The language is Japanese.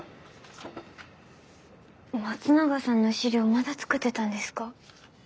松永さんの資料まだ作ってたんですか？